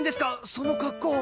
その格好。